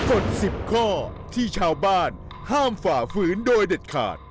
กฎ๑๐ข้อที่ชาวบ้านห้ามฝ่าฝืนโดยเด็ดขาด